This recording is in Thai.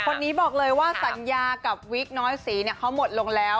คนนี้บอกเลยว่าสัญญากับวิกน้อยศรีเขาหมดลงแล้ว